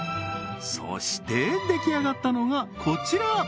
そして出来上がったのがこちら